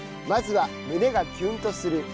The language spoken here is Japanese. ［まずは胸がキュンとする！